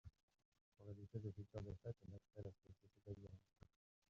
Pour éviter de futures défaites on a créé la Société d'Aviron.